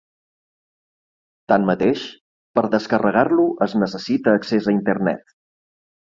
Tanmateix, per descarregar-lo es necessita accés a Internet.